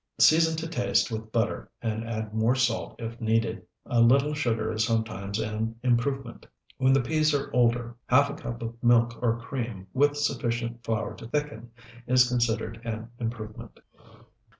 Season to taste with butter and add more salt if needed. A little sugar is sometimes an improvement. When the peas are older, half a cup of milk or cream, with sufficient flour to thicken, is considered an improvement.